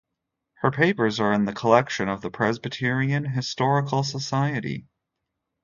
Her papers are in the collection of the Presbyterian Historical Society.